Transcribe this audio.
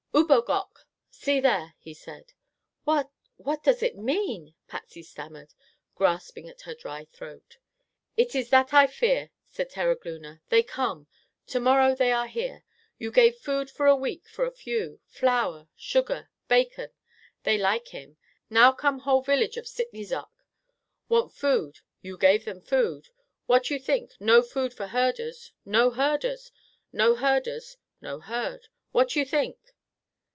"U bogok," (see there) he said. "What—what does it mean?" Patsy stammered, grasping at her dry throat. "It is that I fear," said Terogloona. "They come. To morrow they are here. You gave food for a week for a few; flour, sugar, bacon. They like him. Now come whole village of Sitne zok. Want food. You gave them food. What you think? No food for herders, no herders. No herders, no herd. What you think?"